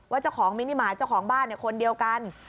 เจ้าของมินิมาตรเจ้าของบ้านคนเดียวกัน